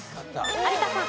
有田さん。